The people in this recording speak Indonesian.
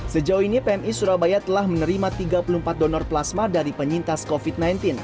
sejauh ini pmi surabaya telah menerima tiga puluh empat donor plasma dari penyintas covid sembilan belas